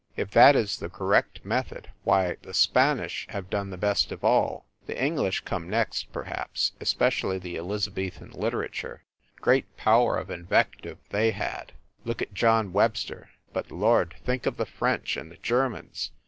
If that is the correct method, why the Spanish have done the best of all. The English come next, perhaps especially the Elizabethan literature great power of invective THE SUBWAY EXPRESS 191 they had look at John Webster ! but Lord ! think of the French and the Germans!